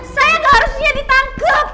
saya enggak harusnya ditangkap